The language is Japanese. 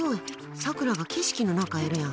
さくらが景色の中にいるやん。